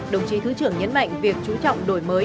đồng chí thứ trưởng nhấn mạnh việc chú trọng đổi mới